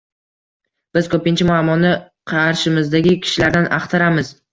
Biz koʻpincha muammoni qarshimizdagi kishilardan axtaramiz